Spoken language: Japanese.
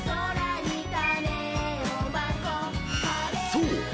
［そう。